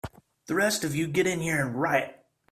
The rest of you get in here and riot!